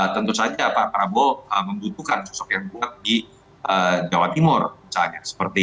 tentu saja pak prabowo membutuhkan sosok yang kuat di jawa timur misalnya